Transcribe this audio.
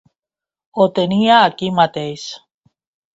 Ho tenia aquí mateix.